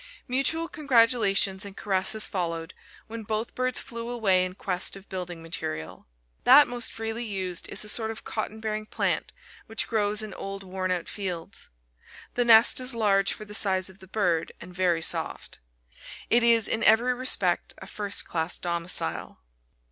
Mutual congratulations and caresses followed, when both birds flew away in quest of building material. That most freely used is a sort of cotton bearing plant which grows in old worn out fields. The nest is large for the size of the bird, and very soft. It is in every respect a first class domicile.